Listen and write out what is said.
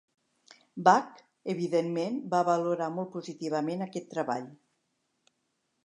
Bach, evidentment, va valorar molt positivament aquest treball.